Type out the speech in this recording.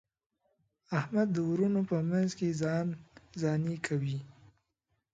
احمد د وروڼو په منځ کې ځان ځاني کوي.